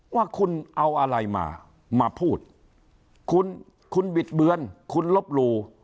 ว่าคุณเอาอะไรมามาพูดคุณคุณบิดเบือนคุณลบหลู่